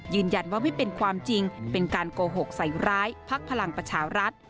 ยืนยันว่าไม่เป็นความจริงเป็นการโกหกใส่ร้ายพักพลังประชารัฐ